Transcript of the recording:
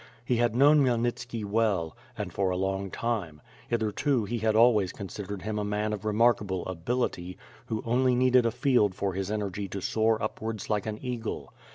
He had known Khmyelnitski well, and for a long time; hitherto he had always considered him a man of remarkable ability, who only needed a field for his energy to soar upwards like an eagle.